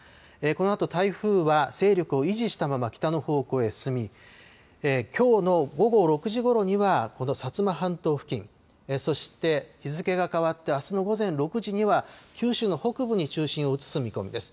このあと台風は、勢力を維持したまま北の方向へ進み、きょうの午後６時ごろには、この薩摩半島付近、そして日付が変わってあすの午前６時には、九州の北部に中心を移す見込みです。